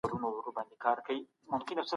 پاچا خپل مخ خلکو ته و نه ښود.